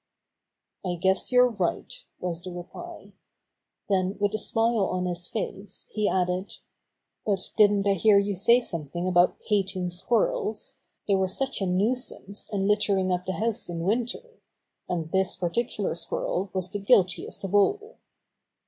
"I guess you're right," was the reply. Then with a smile on his face, he added: "But didn't I hear you say something about hating squirrels? They were such a nuisance in lit tering up the house in winter. And this par ticular squirrel was the guiltiest of all."